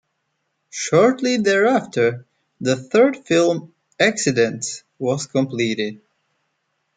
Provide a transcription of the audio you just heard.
Shortly thereafter, the third film "Accidents" was completed.